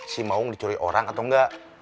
si maung dicuri orang atau enggak